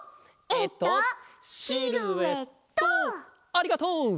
ありがとう。